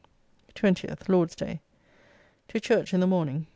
20th (Lord's day). To Church in the morning.